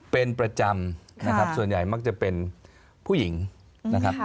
เป็นประจำนะครับส่วนใหญ่มักจะเป็นผู้หญิงนะครับ